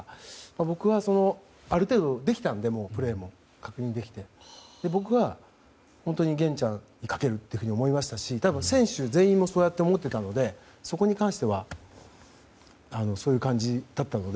僕は、ある程度プレーも確認できていたので僕は本当にゲンちゃんにかけられると思いましたし多分、選手全員もそう思ってたのでそこに関してはそういう感じだったので。